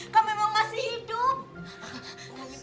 kamu emang masih hidup